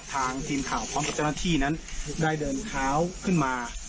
ทางทีมข่าวพร้อมประจำนักที่นั้นได้เดินขาวขึ้นมา